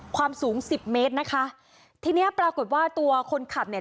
ความสูงสิบเมตรนะคะทีเนี้ยปรากฏว่าตัวคนขับเนี่ย